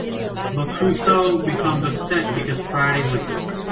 But Crusoe becomes upset because Friday was his friend.